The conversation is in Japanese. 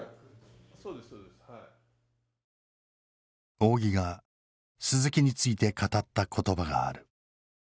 仰木が鈴木について語った言葉がある。